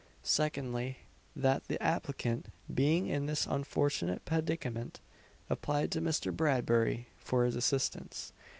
Secondly, that the applicant being in this unfortunate predicament, applied to Mr. Bradbury for his assistance.